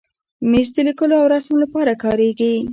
مېز د لیکلو او رسم لپاره کارېږي.